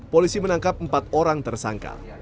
polisi menangkap empat orang tersangka